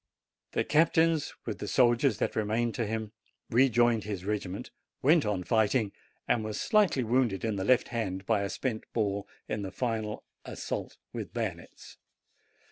The captain, with the soldiers that remained to him, rejoined his regiment, went on fighting, and was slightly wounded in the left hand by a spent ball in the final assault with bayonets.